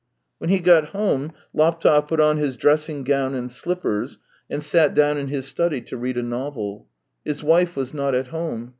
When he got home Laptev put on his dressing gown and slippers, and sat down in his study to read a novel. His wife was not at home.